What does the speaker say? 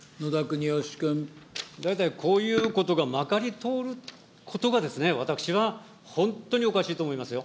大体こういうことがまかり通ることが、私は本当におかしいと思いますよ。